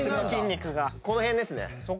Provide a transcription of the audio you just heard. この辺ですね。